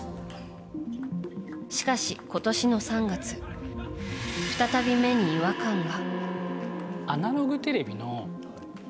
しかし、今年の３月再び目に違和感が。